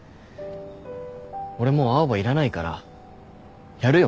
「俺もう青羽いらないからやるよ」